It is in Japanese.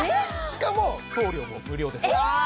しかも送料も無料ですえ！